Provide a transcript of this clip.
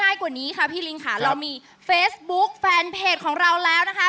กว่านี้ค่ะพี่ลิงค่ะเรามีเฟซบุ๊คแฟนเพจของเราแล้วนะคะ